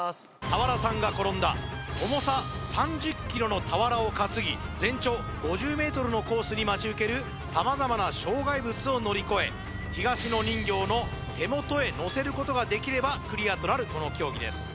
俵さんが転んだ重さ３０ｋｇの俵を担ぎ全長５０ｍのコースに待ち受ける様々な障害物を乗り越え東野人形の手元へ乗せることができればクリアとなるこの競技です